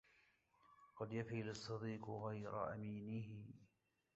قد يفي للصديق غير أمينه